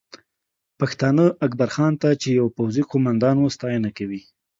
پښتانه اکبرخان ته چې یو پوځي قومندان و، ستاینه کوي